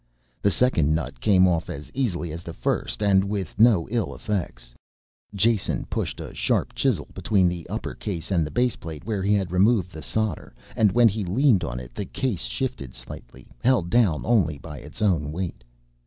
The second nut came off as easily as the first and with no ill effects. Jason pushed a sharp chisel between the upper case and the baseplate where he had removed the solder, and when he leaned on it the case shifted slightly, held down only by its own weight.